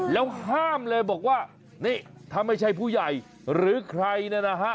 แล้วห้ามเลยบอกว่านี่ถ้าไม่ใช่ผู้ใหญ่หรือใครเนี่ยนะฮะ